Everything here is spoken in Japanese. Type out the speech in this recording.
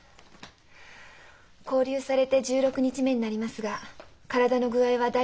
勾留されて１６日目になりますが体の具合は大丈夫ですか？